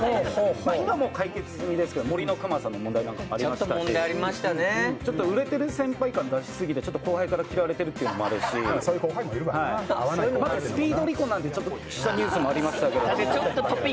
今、もう解決済みですけど「森のくまさん」の問題なんかもありまして売れてる先輩感出し過ぎて後輩から嫌われているっていうのもあるしスピード離婚なんて、ニュースもありましたけど。